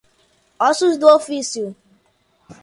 Ossos do ofício